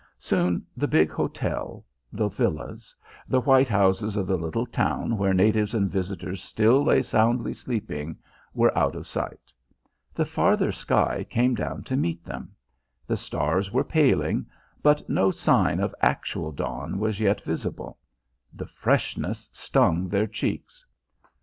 Soon the big hotel, the villas, the white houses of the little town where natives and visitors still lay soundly sleeping, were out of sight. The farther sky came down to meet them. The stars were paling, but no sign of actual dawn was yet visible. The freshness stung their cheeks.